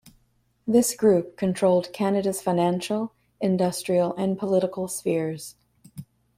This group controlled Canada's financial, industrial and political spheres.